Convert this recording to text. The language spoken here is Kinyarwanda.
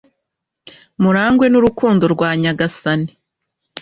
murangwe n'urukundo rwa nyagasani